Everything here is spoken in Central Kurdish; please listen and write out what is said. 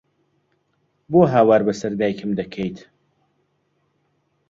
بۆ هاوار بەسەر دایکم دەکەیت؟!